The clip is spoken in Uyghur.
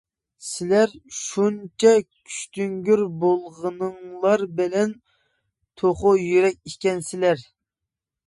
سىلەر شۇنچە كۈچتۈڭگۈر بولغىنىڭلار بىلەن توخۇ يۈرەك ئىكەنسىلەر.